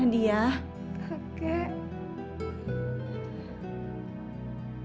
tapi dia melakukan alihkan